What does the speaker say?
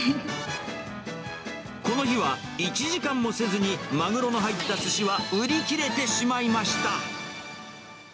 この日は１時間もせずに、マグロの入ったすしは売り切れてしまいました。